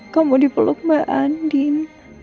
kamu dipeluk mbak andin